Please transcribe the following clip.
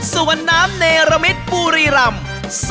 ส่วนน้ำเนรมิตบุรีรำ